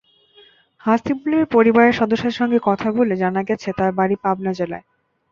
হাসিবুলের পরিবারের সদস্যদের সঙ্গে কথা বলে জানা গেছে, তাঁর বাড়ি পাবনা জেলায়।